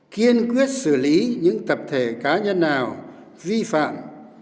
kiên quyết xử lý những tập thể cá nhân nào vi phạm